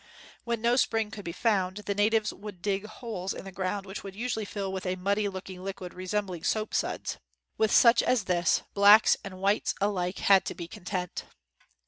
When no spring could be found, the natives would dig holes in the ground which would usually fill with a muddy looking liquid re sembling soap suds. With such as this blacks and whites alike had to be content.